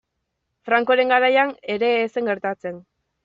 Francoren garaian ere ez zen gertatzen.